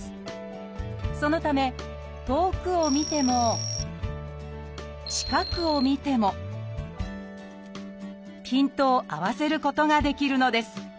そのため遠くを見ても近くを見てもピントを合わせることができるのです。